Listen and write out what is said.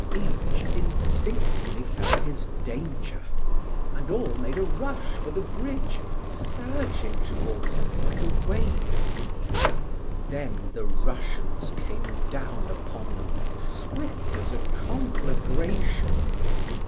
Each instinctively felt his danger, and all made a rush for the bridge, surging towards it like a wave. Then the Russians came down upon them, swift as a conflagration.